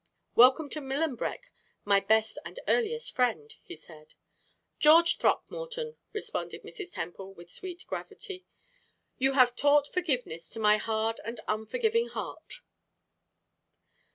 "Welcome to Millenbeck, my best and earliest friend," he said. "George Throckmorton," responded Mrs. Temple, with sweet gravity, "you have taught forgiveness to my hard and unforgiving heart."